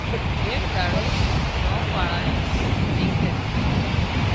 ايڪ ۮاڙو ڳام وازنئي ميٽنگ ڪرِي